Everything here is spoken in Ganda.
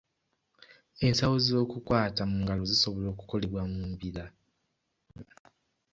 Ensawo z'okukwata mu ngalo zisobola okukolebwa mu mbira.